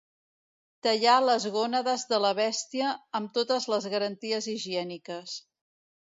Tallar les gònades de la bèstia amb totes les garanties higièniques.